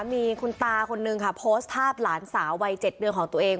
มีคุณตาคนนึงค่ะโพสต์ภาพหลานสาววัย๗เดือนของตัวเอง